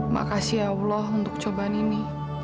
makasih ya allah untuk cobaan ini